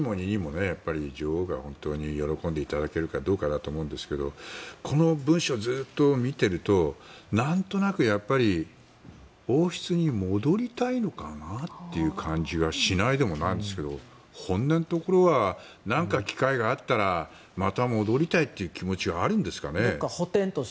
女王が本当に喜んでいただけるかどうかだと思うんですけどこの文章をずっと見てると何となく、王室に戻りたいのかなっていう感じがしないでもないですけど本音のところは何か機会があったらまた戻りたいっていう気持ちがあるんですかね。